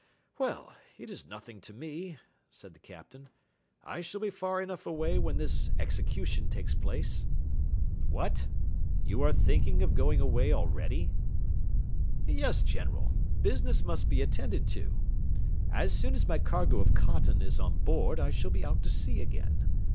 "Well, it is nothing to me," said the Captain. "I shall be far enough away when this execution takes place." "What! you are thinking of going away already." "Yes, General, business must be attended to; as soon as my cargo of cotton is on board I shall be out to sea again.